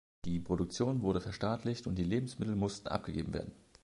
Die Produktion wurde verstaatlicht und die Lebensmittel mussten abgegeben werden.